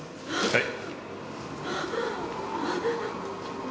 はい。